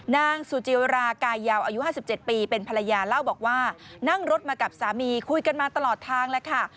นางสุจิรากายาวอายุ๕๗ปีเป็นภรรยาเล่าบอกว่านั่งรถมากับสามีคุยกันมาตลอดทางแล้วค่ะ